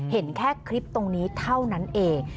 เห็นแค่คลิปตรงนี้เท่านั้นเอง